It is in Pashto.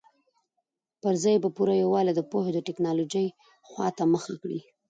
پر ځای یې په پوره یووالي د پوهې او ټکنالوژۍ خواته مخه کړې.